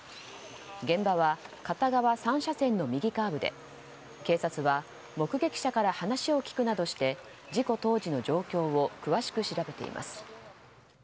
現場は片側３車線の右カーブで警察は目撃者から話を聞くなどして事故当時の状況を詳しく調べています。